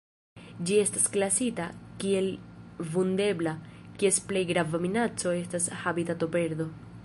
Ĝi estas klasita kiel Vundebla, kies plej grava minaco estas habitatoperdo.